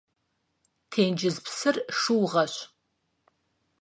Тенджыз псыр шыугъэщ.